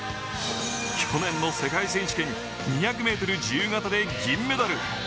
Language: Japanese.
去年の世界選手権２００ｍ自由形で銀メダル。